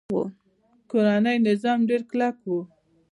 کورنۍ نظام ډیر کلک و